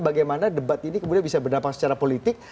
bagaimana debat ini kemudian bisa berdampak secara politik